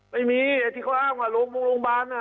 ไม่มีไอ้ที่เขาอ้างว่าโรงพยาบาลน่ะ